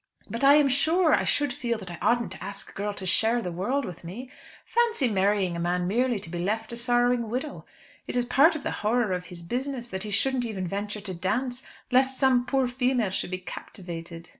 But I am sure I should feel that I oughtn't to ask a girl to share the world with me. Fancy marrying a man merely to be left a sorrowing widow! It is part of the horror of his business that he shouldn't even venture to dance, lest some poor female should be captivated."